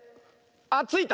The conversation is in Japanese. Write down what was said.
あっついた！